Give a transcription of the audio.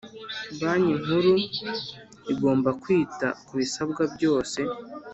Banki Nkuru igomba kwita ku bisabwa byose